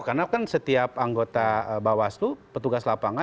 karena kan setiap anggota bawah seluruh petugas lapangan